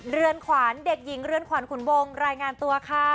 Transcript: เรือนขวานเด็กหญิงเรือนขวัญขุนวงรายงานตัวค่ะ